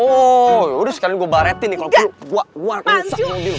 ooo yaudah sekarang gua baretin nih kalo perlu gua uang kan rusak mobil gua